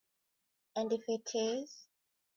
And if it is?